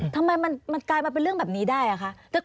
ทำไมมันกลายมาเป็นเรื่องแบบนี้ได้อะคะ